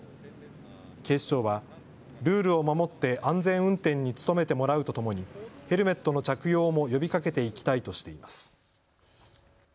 警視庁はルールを守って安全運転に努めてもらうとともにヘルメットの着用も呼びかけていきたいとしています。